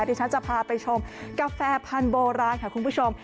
ที่ฉันจะพาไปชมกาแฟพันธุ์โบราณค่ะคุณผู้ชม